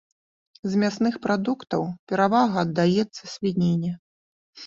З мясных прадуктаў перавага аддаецца свініне.